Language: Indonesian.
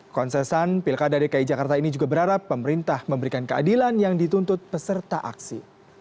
konsesan pilkada dki jakarta ini juga berharap pemerintah memberikan keadilan yang dituntut peserta aksi